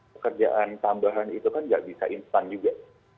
pekerjaan tambahan itu kan nggak bisa instan juga